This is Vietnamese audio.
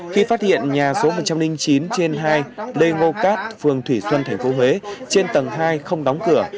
khi phát hiện nhà số một trăm linh chín trên hai lê ngô cát phường thủy xuân tp huế trên tầng hai không đóng cửa